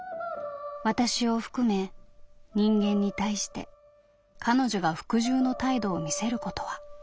私を含め人間に対して彼女が服従の態度を見せることは皆無だ」。